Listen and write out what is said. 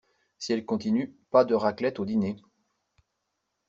Si elle continue, pas de raclette au dîner.